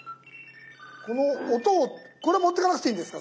この音をこれ持ってかなくていいんですか